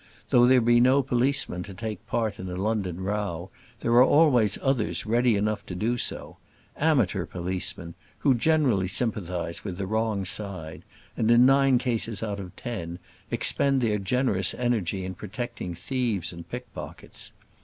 Though there be no policeman to take part in a London row, there are always others ready enough to do so; amateur policemen, who generally sympathise with the wrong side, and, in nine cases out of ten, expend their generous energy in protecting thieves and pickpockets.